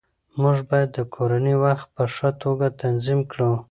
موږ باید د کورنۍ وخت په ښه توګه تنظیم کړو